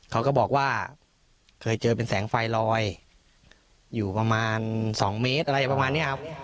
เขาก็บอกว่าเคยเจอเป็นแสงไฟลอยอยู่ประมาณ๒เมตรอะไรประมาณนี้ครับ